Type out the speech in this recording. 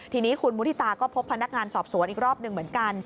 ทีนี้คุณมุฒิตาก็พบพนักงานสอบสวนอีกรอบหนึ่งเหมือนกัน